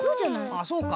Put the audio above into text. あっそうか？